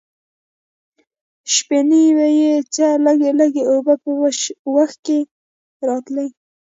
شپېنۍ به یې چې لږې لږې اوبه په وښکي کې راتلې.